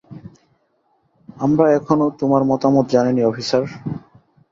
আমরা এখনো তোমার মতামত জানিনি, অফিসার?